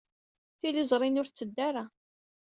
Tiliẓri-nni ur tetteddu ara.